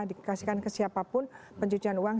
dikasihkan ke siapapun pencucian uang